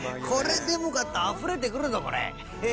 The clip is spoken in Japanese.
これでもかとあふれてくるぞこれ。